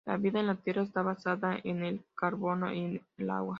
La vida en la Tierra está basada en el carbono y el agua.